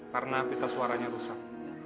karena pita suaranya rusak